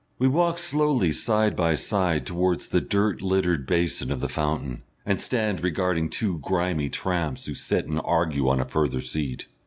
We walk slowly side by side towards the dirt littered basin of the fountain, and stand regarding two grimy tramps who sit and argue on a further seat.